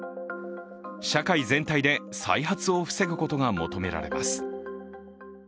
社会全体で再発を防ぐことが求められます。